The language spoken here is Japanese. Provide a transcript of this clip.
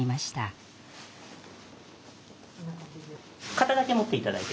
肩だけ持って頂いて。